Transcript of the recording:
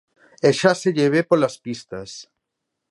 E xa se lle ve polas pistas.